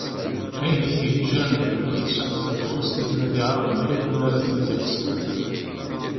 D ayen i t-yettaǧǧan ad yesɛu tabɣest akken ad iɛawen yal win ara ten-id-iqesden.